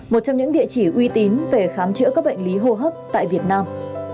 một trong những địa chỉ uy tín về khám chữa các bệnh lý hô hấp tại việt nam